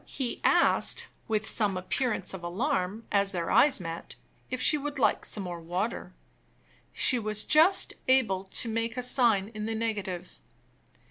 He asked, with some appearance of alarm, as their eyes met, if she would like some more water. She was just able to make a sign in the negative.